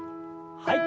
はい。